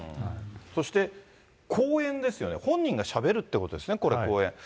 そして講演ですよね、本人がしゃべるってことですね、これ、講演。